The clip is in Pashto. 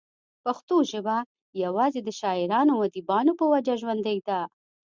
پښتو ژبه يوازې دَشاعرانو او اديبانو پۀ وجه ژوندۍ ده